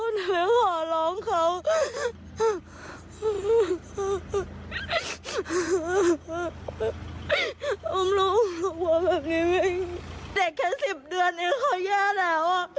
เด็กแค่๑๐เดือนเองเขาแย่แล้ว